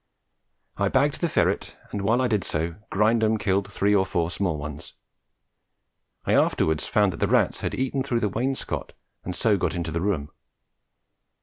I bagged the ferret, and while I did so, Grindum killed three or four small ones. I afterwards found that the rats had eaten through the wainscot and so got into the room.